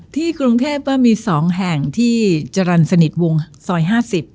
กรุงเทพก็มี๒แห่งที่จรรย์สนิทวงซอย๕๐